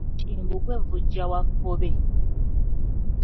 Kimbugwe Vujja wa Kkobe.